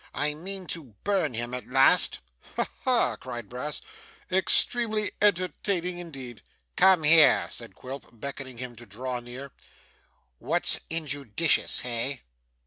I mean to burn him at last.' 'Ha ha!' cried Brass. 'Extremely entertaining, indeed!' 'Come here,' said Quilp, beckoning him to draw near. 'What's injudicious, hey?